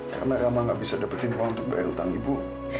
karena rahma gak bisa dapetin uang untuk bayar hutang ibu